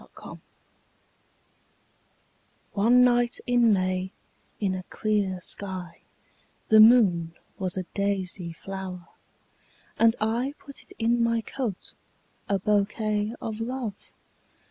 My Flower ONE night in May in a clear skyThe moon was a daisy flower:And! put it in my coat,A bouquet of Love!